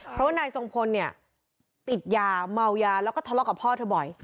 เพราะว่านายทรงพลเนี่ยติดยาเมายาแล้วก็ทะเลาะกับพ่อเธอบ่อย